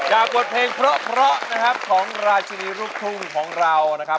จากบทเพลงเพราะเนี่ยครับของราชนิรูปทุนของเรานะครับ